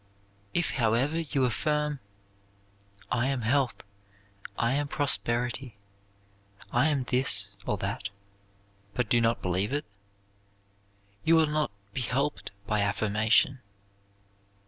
If, however, you affirm, "I am health; I am prosperity; I am this or that," but do not believe it, you will not be helped by affirmation.